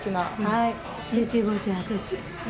はい。